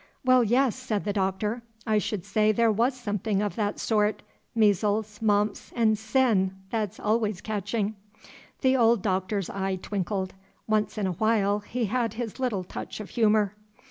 "Well, yes," said the Doctor, "I should say there was something of that sort. Measles. Mumps. And Sin, that's always catching." The old Doctor's eye twinkled; once in a while he had his little touch of humor.